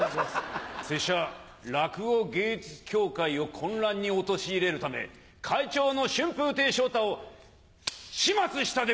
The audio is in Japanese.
拙者落語芸術協会を混乱に陥れるため会長の春風亭昇太を始末したでござる。